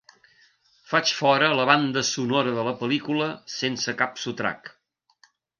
Faig fora la banda sonora de la pel·lícula sense cap sotrac.